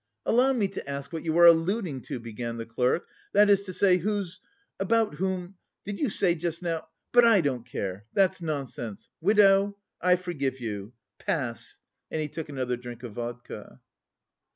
"Allow me to ask what are you alluding to," began the clerk, "that is to say, whose... about whom... did you say just now... But I don't care! That's nonsense! Widow! I forgive you.... Pass!" And he took another drink of vodka.